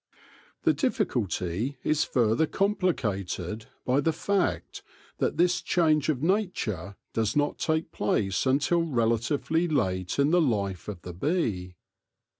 The difficulty is further complicated by the fact that this change of nature does not take place until relatively late in the life of the bee.